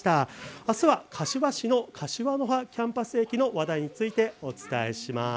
あすは柏市の柏の葉キャンパス駅の話題について、お伝えします。